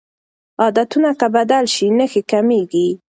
عادتونه که بدل شي نښې کمېږي.